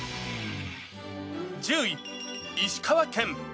１０位、石川県。